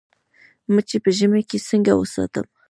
مچۍ په ژمي کې څنګه وساتم؟